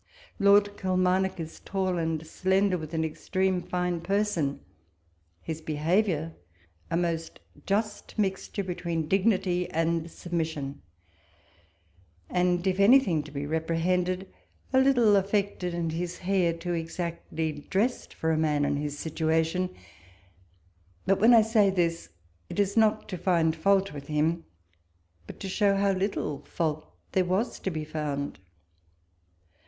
Lord Kilmarnock is tall and slender, with an extreme fine person : his behaviour a most just mixture between dignity and submission ; if in anything to be reprehended, a little affected, and his hair too exactly dressed for a man in his situation ; but when I say this, it is not to find fault with him, but to show how little fault there was to be foimd.